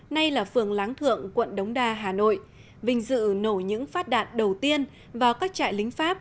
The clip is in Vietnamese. nay là phường láng thượng quận đống đa hà nội vinh dự nổi những phát đạn đầu tiên vào các trại lính pháp